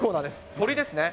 鶏ですね。